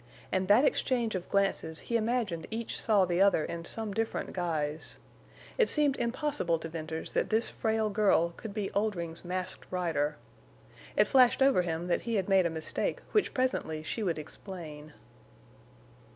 In that exchange of glances he imagined each saw the other in some different guise. It seemed impossible to Venters that this frail girl could be Oldring's Masked Rider. It flashed over him that he had made a mistake which presently she would explain.